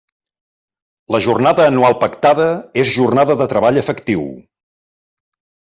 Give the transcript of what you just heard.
La jornada anual pactada és jornada de treball efectiu.